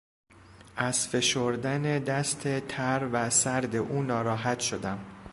از فشردن دست تر و سرد او ناراحت شدم.